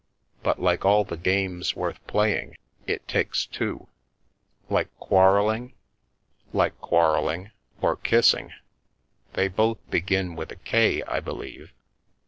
But, like all the games worth playing, it takes two." " Like quarrelling ?" "Like quarrelling— or kissing — they both begin with a 'K/ I believe?"